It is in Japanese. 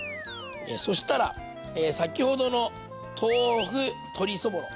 そしたら先ほどの豆腐鶏そぼろ。